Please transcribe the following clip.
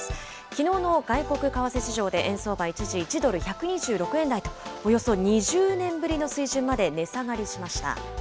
きのうの外国為替市場で円相場、一時１ドル１２６円台と、およそ２０年ぶりの水準まで値下がりしました。